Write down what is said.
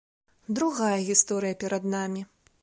Другая гісторыя перад намі.